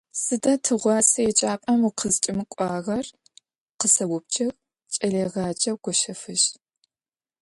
«Сыда тыгъуасэ еджапӀэм укъызкӀэмыкӀуагъэр?», -къысэупчӀыгъ кӀэлэегъаджэу Гощэфыжь.